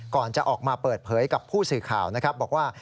ก่อนจะออกมาเปิดเผยกับผู้สื่อข่าวนะครับบอกว่า